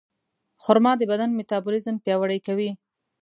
خرما د بدن میتابولیزم پیاوړی کوي.